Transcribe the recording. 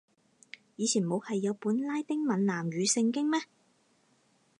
以前冇係有本拉丁閩南語聖經咩